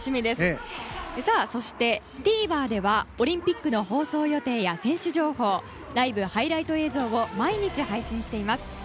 ＴＶｅｒではオリンピックの放送予定や選手情報ライブ・ハイライト映像を毎日配信しています。